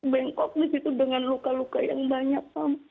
bengkok disitu dengan luka luka yang banyak